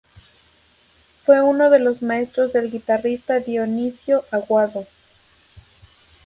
Fue uno de los maestros del guitarrista Dionisio Aguado.